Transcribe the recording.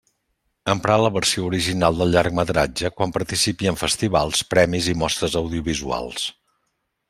Emprar la versió original del llargmetratge quan participi en festivals, premis i mostres audiovisuals.